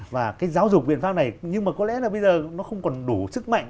và cái giáo dục biện pháp này nhưng mà có lẽ là bây giờ nó không còn đủ sức mạnh